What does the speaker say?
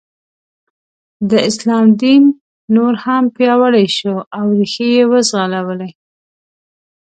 د اسلام دین نور هم پیاوړی شو او ریښې یې وځغلولې.